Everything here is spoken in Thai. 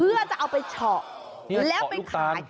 เพื่อจะเอาไปเฉาะแล้วไปขาย